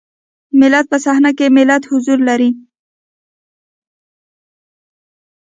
ملت په صحنه کې دی ملت حضور لري.